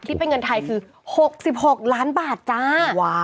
เป็นเงินไทยคือ๖๖ล้านบาทจ้า